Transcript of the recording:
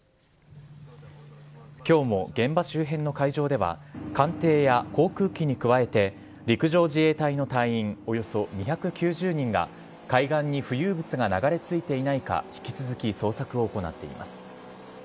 きょうも現場周辺の海上では、艦艇や航空機に加えて、陸上自衛隊の隊員およそ２９０人が海岸に浮遊物が流れ着いていないか引き続き捜索を行っています。